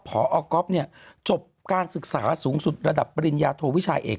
พอก๊อฟเนี่ยจบการศึกษาสูงสุดระดับปริญญาโทวิชาเอก